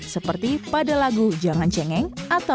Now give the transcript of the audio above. seperti pada lagu jangan cengeng atau